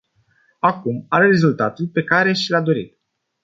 Acum are rezultatul pe care și l-a dorit.